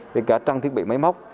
kể cả trang thiết bị máy móc